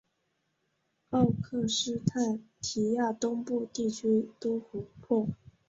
奥克施泰提亚东部地区多湖泊。